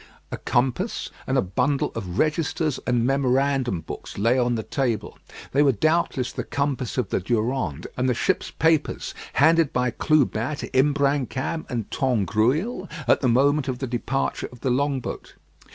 A compass and a bundle of registers and memorandum books lay on the table; they were doubtless the compass of the Durande and the ship's papers, handed by Clubin to Imbrancam and Tangrouille at the moment of the departure of the long boat.